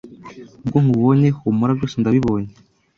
Ubwo nkubonye humura byose ndabibonye